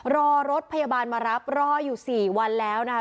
รอรถพยาบาลมารับรออยู่๔วันแล้วนะคะ